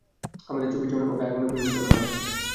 আমার চোখের সামনেই ওকে আগুনে পুড়িয়ে হত্যা করা হয়।